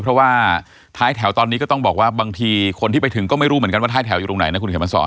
เพราะว่าท้ายแถวตอนนี้ก็ต้องบอกว่าบางทีคนที่ไปถึงก็ไม่รู้เหมือนกันว่าท้ายแถวอยู่ตรงไหนนะคุณเขียนมาสอน